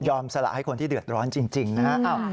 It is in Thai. ยอมสละให้คนที่เดือดร้อนจริงนะครับ